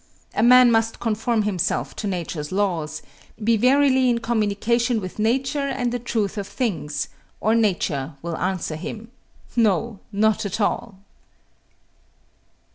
A man must conform himself to Nature's laws, be verily in communion with Nature and the truth of things, or Nature will answer him, No, not at all!